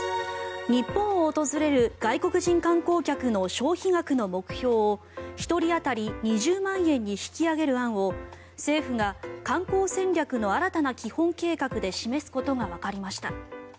日本を訪れる外国人観光客の消費額の目標を１人当たり２０万円に引き上げる案を政府が観光戦略の新たな基本計画で示すことがわかりました。